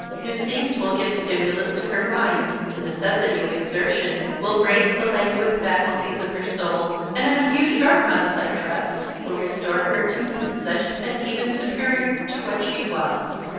New scenes will give a stimulus to her mind; the necessity of exertion will brace the languid faculties of her soul, and a few short months, I trust, will restore her to me such and even superior to what she was.